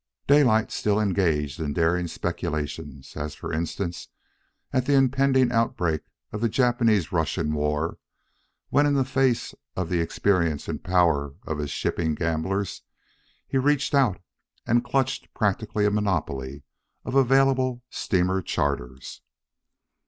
Daylight still engaged in daring speculations, as, for instance, at the impending outbreak of the Japanese Russian War, when, in the face of the experience and power of the shipping gamblers, he reached out and clutched practically a monopoly of available steamer charters.